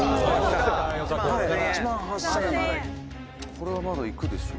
「これはまだいくでしょ」